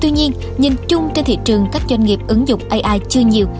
tuy nhiên nhìn chung trên thị trường các doanh nghiệp ứng dụng ai chưa nhiều